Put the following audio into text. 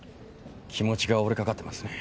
気持ちが折れかかってますね。